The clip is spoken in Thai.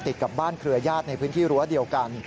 ติดกับบ้านเครือญาติในพื้นที่รั้วเดียวกัน